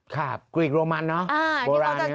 ครับกรีกโรมันเนอะโบราณเนี่ย